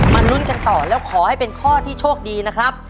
ลุ้นกันต่อแล้วขอให้เป็นข้อที่โชคดีนะครับ